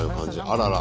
あらら。